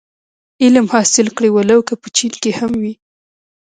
علم حاصل کړی و لو که په چين کي هم وي.